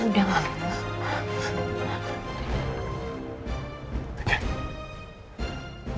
udah gak bisa